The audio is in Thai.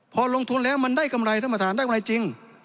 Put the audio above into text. พอลงทุนแล้วมันได้กำไรท่านประธานได้กำไรจริง